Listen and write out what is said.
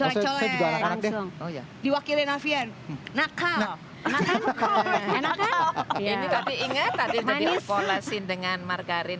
langsung oh ya diwakili nafian nakal nakal ini tapi inget tadi jadi pola scene dengan margarin